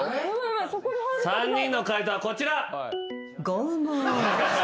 ３人の解答はこちら。